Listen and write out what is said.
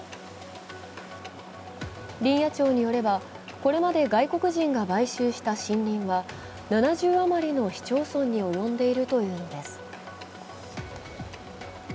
林野庁によれば、これまで外国人が買収した森林は、７０余りの市町村に及んでいるというのです。